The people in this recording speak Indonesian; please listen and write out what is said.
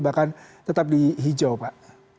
bahkan tetap di hijau pak